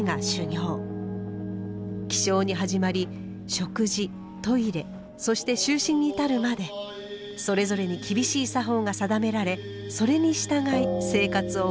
起床に始まり食事トイレそして就寝に至るまでそれぞれに厳しい作法が定められそれに従い生活を送ります。